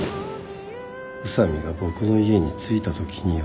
宇佐美が僕の家に着いたときには。